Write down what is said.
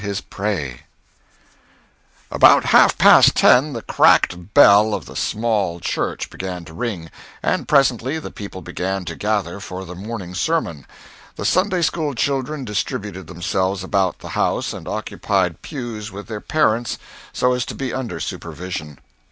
CHAPTER V ABOUT half past ten the cracked bell of the small church began to ring, and presently the people began to gather for the morning sermon. The Sunday school children distributed themselves about the house and occupied pews with their parents, so as to be under supervision.